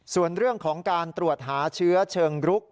ส่วนเรื่องของการตรวจหาเชื้อเชิงรุก